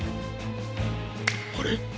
あれ？